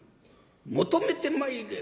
求めてまいれ」。